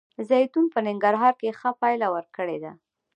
زیتون په ننګرهار کې ښه پایله ورکړې ده